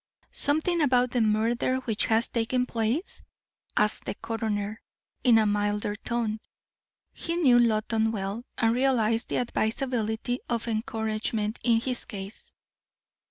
"Something about the murder which has taken place?" asked the coroner, in a milder tone. He knew Loton well, and realised the advisability of encouragement in his case.